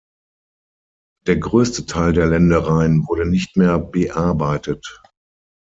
Der größte Teil der Ländereien wurde nicht mehr bearbeitet.